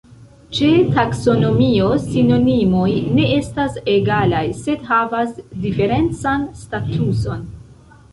Ĉe taksonomio sinonimoj ne estas egalaj, sed havas diferencan statuson.